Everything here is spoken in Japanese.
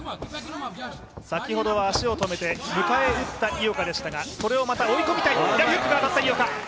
先ほどは足を止めて迎え撃った井岡でしたがそれをまた追い込みたい。